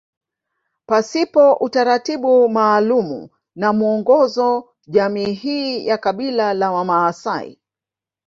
Pasipo utaratibu maalumu na mwongozo jamii hii ya kabila la wamaasai